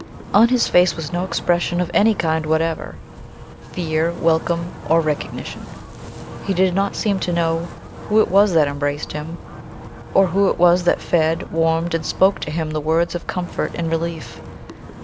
On his face was no expression of any kind whatever fear, welcome, or recognition. He did not seem to know who it was that embraced him, or who it was that fed, warmed and spoke to him the words of comfort and relief.